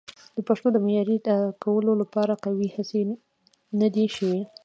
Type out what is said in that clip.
د پښتو د معیاري کولو لپاره قوي هڅې نه دي شوي.